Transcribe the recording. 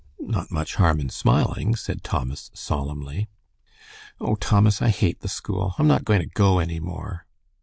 "Not much harm in smiling," said Thomas, solemnly. "Oh, Thomas, I hate the school. I'm not going to go any more."